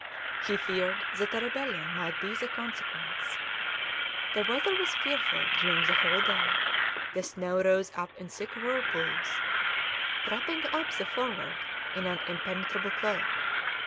He feared that a rebellion might be the consequence. The weather was fearful during the whole day; the snow rose up in thick whirlpools, wrapping up the Forward in an impenetrable cloak.